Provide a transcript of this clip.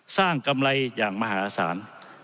สร้างกำไรอย่างมหาศาล